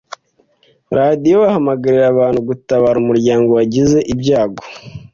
radiyo bahamagarira abantu gutabara umuryango wagize ibyago.